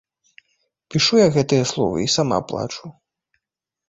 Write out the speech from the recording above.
Пішу я гэтыя словы і сама плачу.